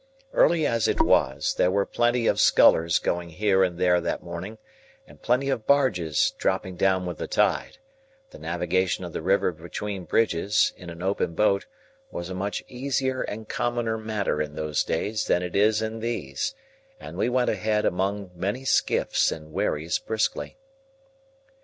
Early as it was, there were plenty of scullers going here and there that morning, and plenty of barges dropping down with the tide; the navigation of the river between bridges, in an open boat, was a much easier and commoner matter in those days than it is in these; and we went ahead among many skiffs and wherries briskly.